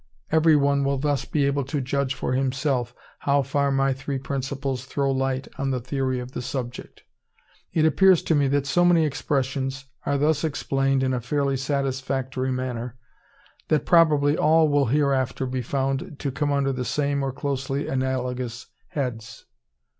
Everyone will thus be able to judge for himself, how far my three principles throw light on the theory of the subject. It appears to me that so many expressions are thus explained in a fairly satisfactory manner, that probably all will hereafter be found to come under the same or closely analogous heads.